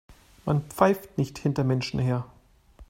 Man pfeift nicht hinter Menschen her.